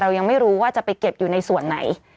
ยังไม่รู้ว่าจะไปเก็บอยู่ในส่วนไหน